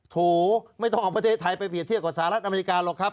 โถไม่ต้องเอาประเทศไทยไปเรียบเทียบกับสหรัฐอเมริกาหรอกครับ